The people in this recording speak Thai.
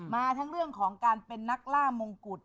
มาทั้งเรื่องของการเป็นนักล่ามงกุฎ